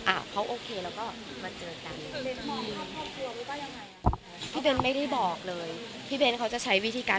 อ่าเขาโอเคแล้วก็มาเจอกันพี่เบ้นไม่ได้บอกเลยพี่เบ้นเขาจะใช้วิธีการ